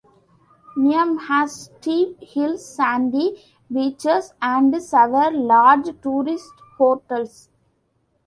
Neum has steep hills, sandy beaches, and several large tourist hotels.